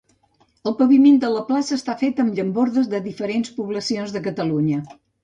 El paviment de la Plaça està fet amb llambordes de diferents poblacions de Catalunya.